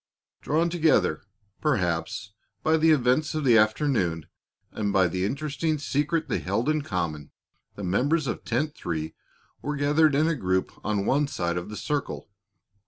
Drawn together, perhaps, by the events of the afternoon and by the interesting secret they held in common, the members of Tent Three were gathered in a group on one side of the circle.